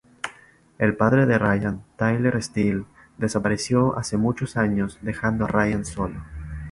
El padre de Ryan, Tyler Steele, desapareció hace muchos años dejando a Ryan solo.